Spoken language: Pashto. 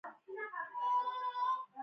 نږدې سل زره کسان پر کولرا ناروغۍ اخته وو.